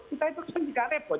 kita itu sudah tidak repot